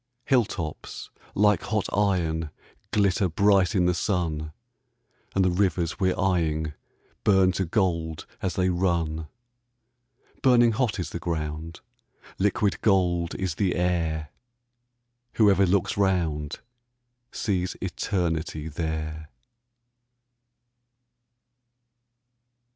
Hill tops like hot iron glitter bright in the sun, And the rivers we're eying burn to gold as they run; Burning hot is the ground, liquid gold is the air; Whoever looks round sees Eternity there.